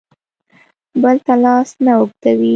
بل ته لاس نه اوږدوي.